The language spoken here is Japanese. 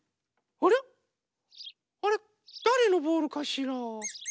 あれっ？だれのボールかしら？